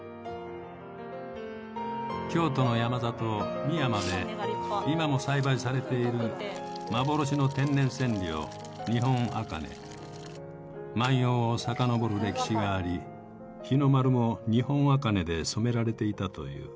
京都の山里・美山で今も栽培されている幻の天然染料万葉を遡る歴史があり日の丸も日本茜で染められていたという。